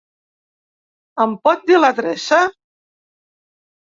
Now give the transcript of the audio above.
Em pot dir l'adreça?